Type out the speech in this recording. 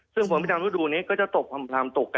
ซึ่งประจำฤดูนี้ก็จะตกกระจาย